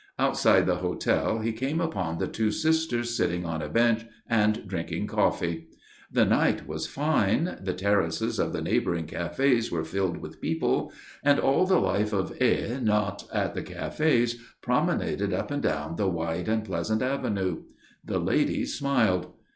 Outside the hotel he came upon the two sisters sitting on a bench and drinking coffee. The night was fine, the terraces of the neighbouring cafés were filled with people, and all the life of Aix not at the cafés promenaded up and down the wide and pleasant avenue. The ladies smiled.